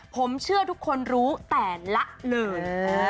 ผมเชื่อทุกคนรู้แต่ละลืน